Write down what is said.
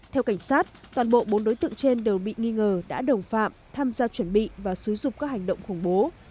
theo cảnh sát toàn bộ bốn đối tượng trên đều bị nghi ngờ đã đồng phạm tham gia chuẩn bị và xúi dục các hành động khủng bố